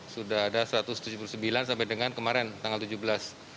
sudah ada satu ratus tujuh puluh sembilan sampai dengan kemarin tanggal tujuh belas